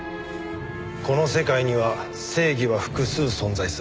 この世界には正義は複数存在する。